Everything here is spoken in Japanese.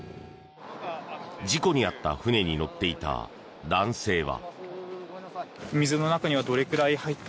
事故に遭った船に乗っていた男性は。